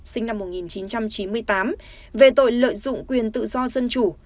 sinh năm một nghìn chín trăm chín mươi tám về tội lợi dụng quyền tự do dân chủ